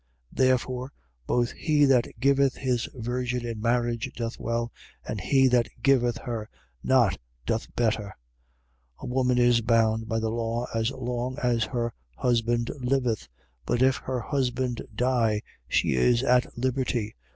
7:38. Therefore both he that giveth his virgin in marriage doth well: and he that giveth her not doth better. 7:39. A woman is bound by the law as long as her husband liveth: but if her husband die, she is at liberty.